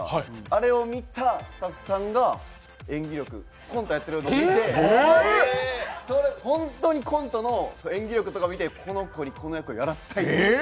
あれを見たスタッフさんが演技力、コントをやっているのを見て本当にコントの演技力とかを見てこの子にこの役をやらせたいっていって。